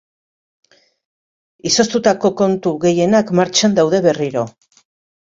Izoztutako kontu gehienak martxan daude berriro.